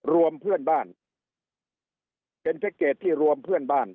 รวมเพื่อนบ้านเป็นแพ็คเกจที่รวมเพื่อนบ้าน